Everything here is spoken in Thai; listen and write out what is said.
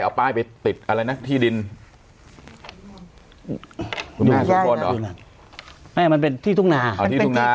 เอาป้ายไปติดอะไรนะที่ดินทุกคนอ่ะไม่มันเป็นที่ทุ่งนาที่ทุ่งนา